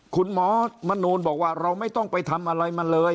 คุณหมอมนูลบอกว่าเราไม่ต้องไปทำอะไรมาเลย